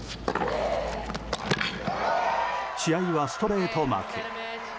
試合はストレート負け。